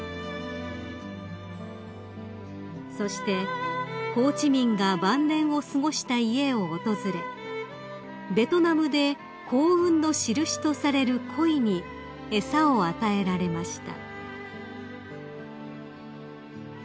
［そしてホー・チ・ミンが晩年を過ごした家を訪れベトナムで幸運の印とされるコイに餌を与えられました］